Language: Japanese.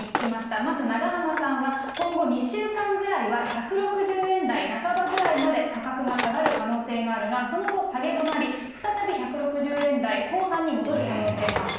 まず永濱さんは、今後２週間ぐらいは１６０円台半ばぐらいまで価格が下がる可能性があるが、その後、下げ止まり、再び１６０円台後半に戻る可能性もあると。